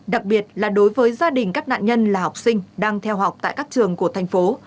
đặc biệt là đối với gia đình các nạn nhân là học sinh đang theo học tại các trường của thành phố